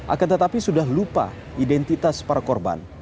akan tetapi sudah lupa identitas para korban